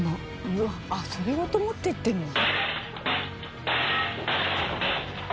あっそれごと持っていってるの？